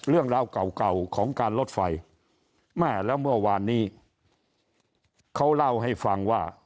เรื่องราวเก่าเก่าของการลดไฟแม่แล้วเมื่อวานนี้เขาเล่าให้ฟังว่า